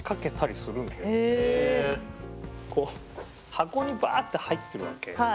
箱にバーって入ってるわけ。